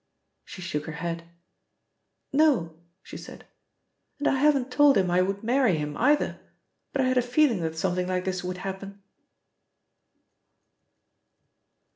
She shook her head. "No," she said, "and I haven't told him I would marry him either, but I had a feeling that something like this would happen."